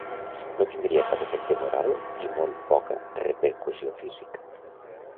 No tindria cap efecte moral i molt poca repercussió física.